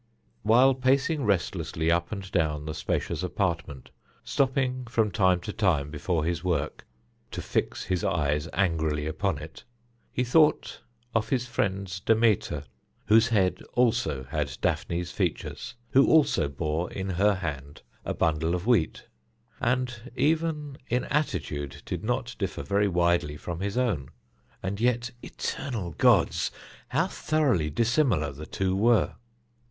While pacing restlessly up and down the spacious apartment, stopping from time to time before his work to fix his eyes angrily upon it, he thought of his friend's Demeter, whose head also had Daphne's features, who also bore in her hand a bundle of wheat, and even in attitude did not differ very widely from his own. And yet eternal gods! how thoroughly dissimilar the two were!